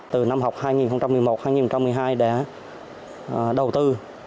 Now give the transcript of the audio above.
từ năm học hai nghìn một mươi một hai nghìn một mươi hai đã đầu tư